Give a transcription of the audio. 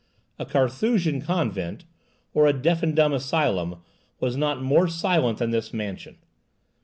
A Carthusian convent, or a deaf and dumb asylum, was not more silent than this mansion.